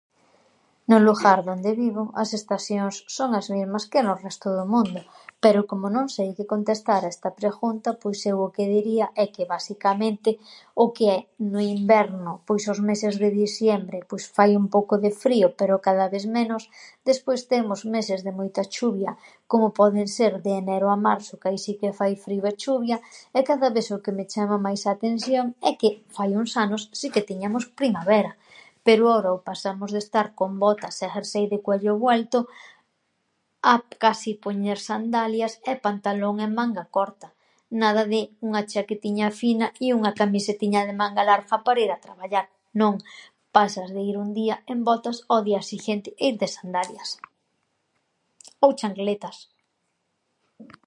No lughar donde vivo as estasións son as mismas que no resto do mundo, pero como non sei que contestar a esta preghunta, pois eu o que diría é que, basicamente, o que é no inverno, pois os meses de diciembre, pois fai un pouco de frío, pero cada vez menos, despois temos meses de moita chuvia, como poden ser de enero a marso, que aí si que fai frío e chuvia e cada ves o que me chama máis a a atensión é que fai uns anos si que tiñamos primavera, pero ahora pasamos de estar con botas e jersey de cuello vuelto a casi poñer sandalias e pantalón en manga corta, nada de unha chaquetiña fina i unha camisetiña de manga larga para ir a traballar, non, pasas de ir un día en botas ao día sighuiente ir de sandalias ou chancletas.